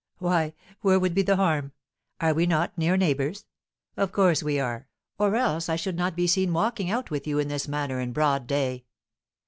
"Why, where would be the harm, are we not near neighbours? Of course we are, or else I should not be seen walking out with you in this manner in broad day."